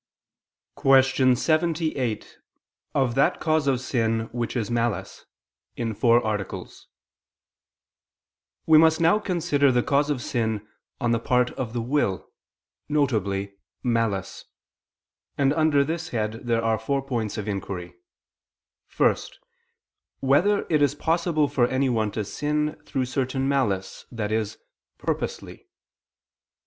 ________________________ QUESTION 78 OF THAT CAUSE OF SIN WHICH IS MALICE (In Four Articles) We must now consider the cause of sin on the part of the will, viz. malice: and under this head there are four points of inquiry: (1) Whether it is possible for anyone to sin through certain malice, i.e. purposely?